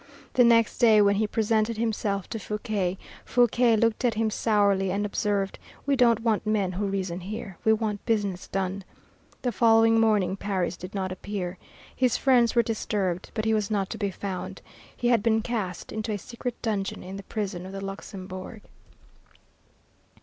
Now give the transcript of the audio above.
The next day, when he presented himself to Fouquier, Fouquier looked at him sourly, and observed, "We don't want men who reason here; we want business done." The following morning Paris did not appear. His friends were disturbed, but he was not to be found. He had been cast into a secret dungeon in the prison of the Luxembourg.